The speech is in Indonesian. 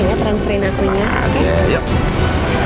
ya transferin akunya